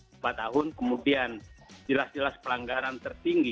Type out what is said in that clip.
empat tahun kemudian jelas jelas pelanggaran tertinggi